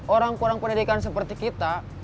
orang kurang pendidikan seperti kita